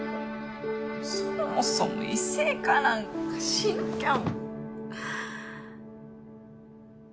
そもそも異性化なんかしなきゃ。